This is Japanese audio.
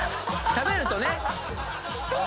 しゃべるとね。